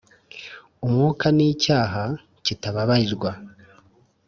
Umwuka ni icyaha kitazababarirwa